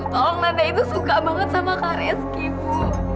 tolong nanda itu suka banget sama kak rezki ibu